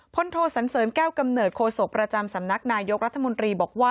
โทสันเสริญแก้วกำเนิดโคศกประจำสำนักนายกรัฐมนตรีบอกว่า